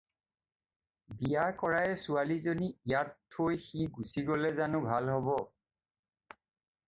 বিয়া কৰায়েই ছোৱালীজনী ইয়াত থৈ সি গুচি গ'লে জানো ভাল হ'ব।